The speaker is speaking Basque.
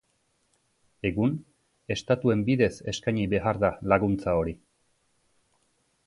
Egun, estatuen bidez eskaini behar da laguntza hori.